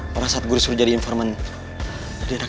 pada saat aku disuruh jadi informan di adak jalanan